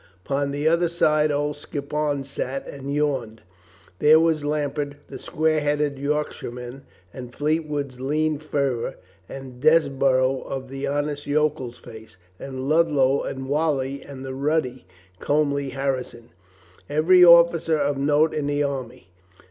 Upon the other side old Skippon sat and yawned. There was Lambert, the square headed Yorkshire man, and Fleetwood's lean fervor, and Desborough of the honest yokel's face, and Ludlow and Whalley and the ruddy, comely Harrison — every officer of note in the army.